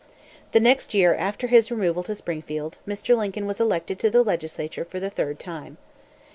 The next year after his removal to Springfield, Mr. Lincoln was elected to the legislature for the third time.